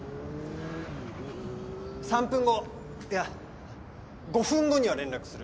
３分後いや５分後には連絡する。